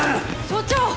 所長！